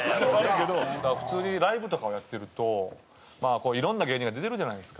普通にライブとかをやってるといろんな芸人が出てるじゃないですか。